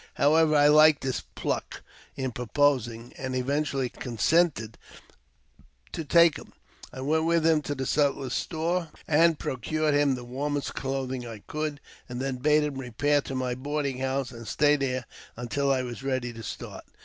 However, I liked his "pluck" in proposing, and eventually consented to take him. I went with him to the sutler's store, and pro cured him the warmest clothing I could, and then bade him repair to my boarding house, and stay there until I was ready to start.